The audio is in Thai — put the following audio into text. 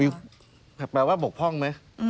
แปลว่าบกพร่องไหม